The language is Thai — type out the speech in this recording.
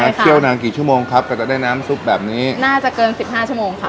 เคี่ยวนานกี่ชั่วโมงครับก็จะได้น้ำซุปแบบนี้น่าจะเกินสิบห้าชั่วโมงค่ะ